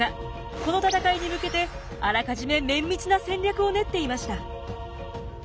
この戦いに向けてあらかじめ綿密な戦略を練っていました。